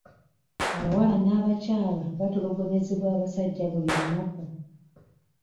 Abawala n'abakyala batulugunyizibwa abasajja buli lunaku.